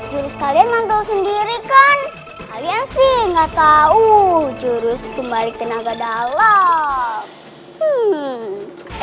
jurus kalian mah tau sendiri kan kalian sih nggak tau jurus pembalik tenaga dalam